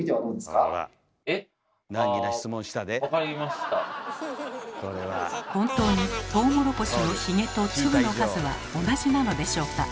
あ本当にトウモロコシのヒゲと粒の数は同じなのでしょうか？